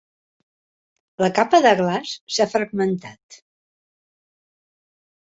La capa de glaç s'ha fragmentat.